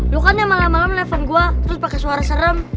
lu kan yang malam malam nelfon gue terus pakai suara serem